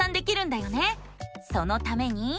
そのために。